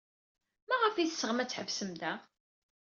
Maɣef ay teɣsem ad tḥebsem da?